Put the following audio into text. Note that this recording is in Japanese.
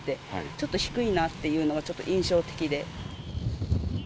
ちょっと低いなっていうのが、ちょっと印象的で。